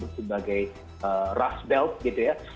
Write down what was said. yang disebut sebagai rust belt gitu ya